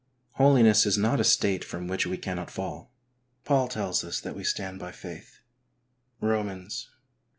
Holiness is not a state from which we cannot fall. Paul tells us that we stand by faith (^Romans xi.